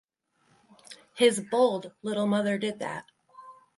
His bold little mother did that.